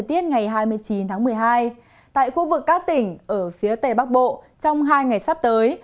tại khu vực các tỉnh ở phía tề bắc bộ trong hai ngày sắp tới